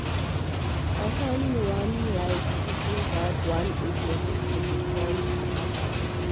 Often one likes to think that one is making a difference to others.